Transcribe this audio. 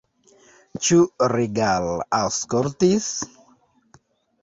Ĉu Rigar aŭskultis?